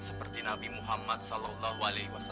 seperti nabi muhammad saw